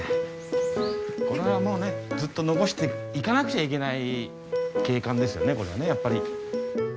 これはもうねずっと残していかなくちゃいけない景観ですよねやっぱり。